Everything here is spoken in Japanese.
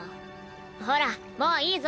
ほらもういいぞ。